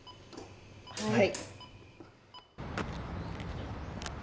はい。